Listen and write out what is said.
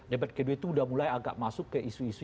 debat kedua itu udah mulai agak masuk ke isu isu